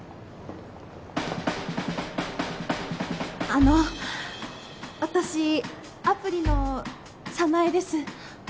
あの私アプリのさなえです。